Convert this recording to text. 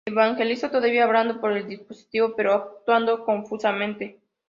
Evangelista todavía hablando por el dispositivo pero actuando confusamente.